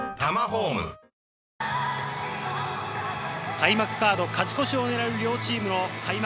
開幕カード勝ち越しをねらう両チームの開幕